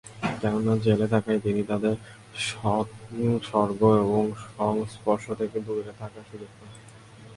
কেননা, জেলে থাকায় তিনি তাদের সংসর্গ ও সংস্পর্শ থেকে দূরে থাকার সুযোগ পান।